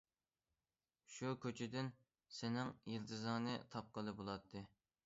شۇ كوچىدىن سېنىڭ يىلتىزىڭنى تاپقىلى بولاتتى.